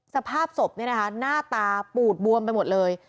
สภาพศพหน้าตาปูดบวมไปหมดเลย